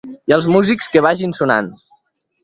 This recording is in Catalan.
I els músics que vagin sonant.